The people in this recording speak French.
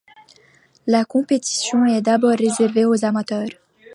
La compétition est d'abord réservée aux amateurs.